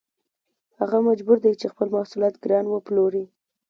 هغه مجبور دی چې خپل محصولات ګران وپلوري